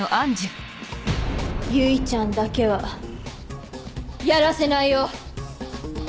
唯ちゃんだけはやらせないよ。